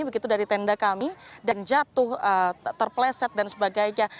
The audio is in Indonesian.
begitu dari tenda kami dan jatuh terpleset dan sebagainya